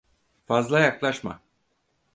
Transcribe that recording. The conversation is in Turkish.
Fazla yaklaşma.